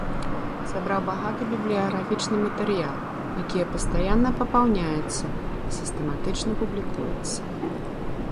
Сабраў багаты бібліяграфічны матэрыял, якія пастаянна папаўняецца і сістэматычна публікуецца.